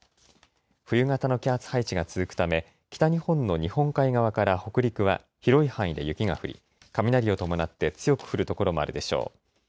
冬型の気圧配置が続くため北日本の日本海側から北陸は広い範囲で雪が降り雷を伴って強く降る所もあるでしょう。